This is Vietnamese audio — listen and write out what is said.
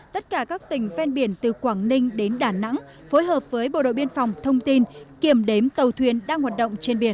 tất cả các tỉnh ven biển từ quảng ninh đến đà nẵng phối hợp với bộ đội biên phòng thông tin kiểm đếm tàu thuyền đang hoạt động trên biển